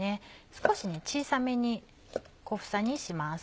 少し小さめに小房にします。